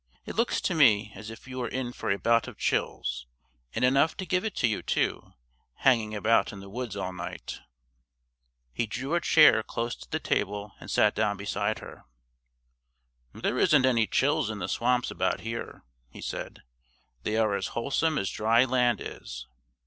"It looks to me as if you were in for a bout of chills; and enough to give it to you too, hanging about in the woods all night." He drew a chair close to the table and sat down beside her. "There isn't any chills in the swamps about here," he said; "they are as wholesome as dry land is."